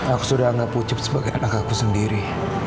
aku sudah anggap ucup sebagai anakku sendiri